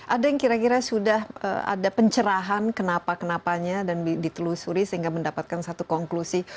ada yang kira kira sudah ada pencerahan kenapa kenapanya dan ditelusuri sehingga mendapatkan satu konklusi